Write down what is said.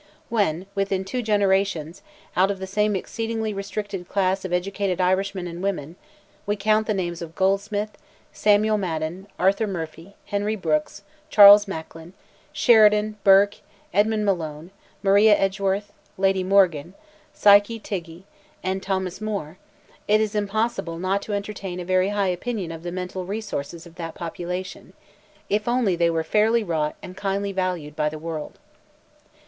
When, within two generations, out of the same exceedingly restricted class of educated Irishmen and women, we count the names of Goldsmith, Samuel Madden, Arthur Murphy, Henry Brooke, Charles Macklin, Sheridan, Burke, Edmund Malone, Maria Edgeworth, Lady Morgan, "Psyche" Tighe, and Thomas Moore, it is impossible not to entertain a very high opinion of the mental resources of that population, if only they were fairly wrought and kindly valued by the world.